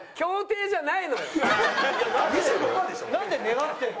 なんで願ってんの？